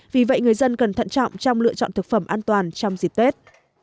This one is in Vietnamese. vì vậy người dân cần thận trọng trong lựa chọn thực phẩm an toàn trong dịp tết